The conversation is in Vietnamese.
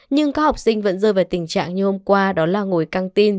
nhưng các học sinh vẫn rơi vào tình trạng như hôm qua đó là ngồi căng tin